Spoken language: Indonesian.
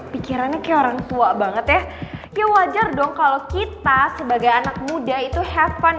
pikirannya kayak orang tua banget ya wajar dong kalau kita sebagai anak muda itu have fun